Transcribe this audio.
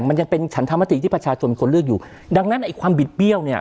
มันยังเป็นฉันธรรมติที่ประชาชนคนเลือกอยู่ดังนั้นไอ้ความบิดเบี้ยวเนี่ย